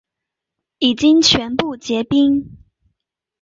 已经全部结冰